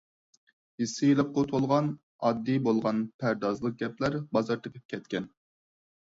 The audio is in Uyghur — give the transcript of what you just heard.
ھىسسىيلىققا تولغان ئاددىي بولغان پەردازلىق گەپلەر بازار تېپىپ كەتكەن.